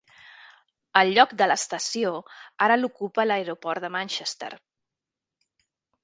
El lloc de l'estació ara l'ocupa l'aeroport de Manchester.